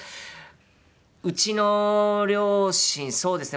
うちの両親そうですね